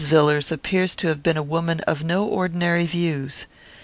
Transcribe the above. Villars appears to have been a woman of no ordinary views.